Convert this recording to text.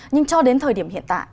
nhưng cho đến thời điểm hiện tại